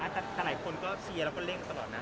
แต่หลายคนก็เชียร์แล้วก็เร่งตลอดนะ